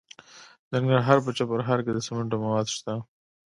د ننګرهار په چپرهار کې د سمنټو مواد شته.